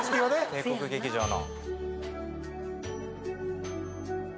帝国劇場の。